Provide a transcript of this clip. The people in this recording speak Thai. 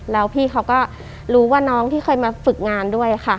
แล้วพี่เขาก็รู้ว่าน้องที่เคยมาฝึกงานด้วยค่ะ